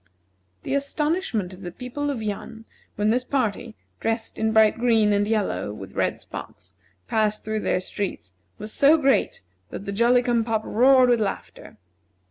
The astonishment of the people of Yan, when this party, dressed in bright green and yellow, with red spots, passed through their streets, was so great that the Jolly cum pop roared with laughter.